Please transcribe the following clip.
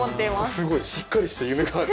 すごいしっかりした夢がある。